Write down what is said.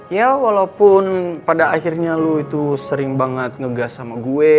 ya walaupun pada akhirnya lo itu sering banget ngegas sama gue